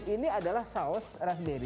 ini adalah saus raspberry